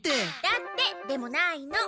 「だって」でもないの。